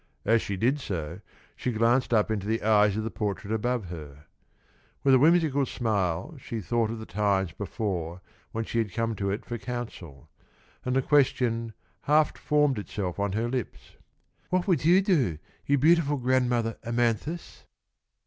As she did so she glanced up into the eyes of the portrait above her. With a whimsical smile she thought of the times before when she had come to it for counsel, and the question half formed itself on her lips: "What would you do, you beautiful Grandmother Amanthis?"